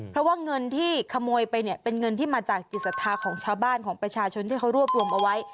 เพราะว่าเงินที่ขโมยไปเนี่ยเป็นเงินที่มาจากจิตศรัทธาของชาวบ้านของประชาชนที่เขารวบรวมเอาไว้